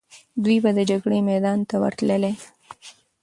دوی به د جګړې میدان ته ورتللې.